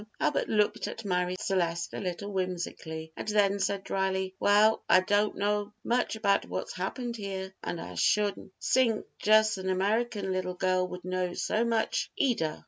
Albert looked at Marie Celeste a little whimsically, and then said dryly: "Well, I don' know much about what's happened here, and I s'ouldn't sink jus' an American little girl would know so very much eider."